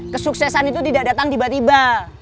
kesuksesan itu tidak datang tiba tiba